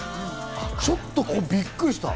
ちょっと、びっくりした。